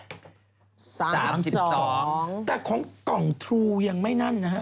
แต่ของแต่ของกล่องทรูยังไม่นั่นนะฮะ